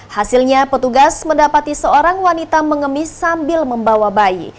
hasilnya petugas mendapati seorang wanita mengemis sambil membawa bayi